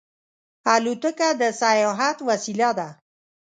الوتکه د سیاحت وسیله ده.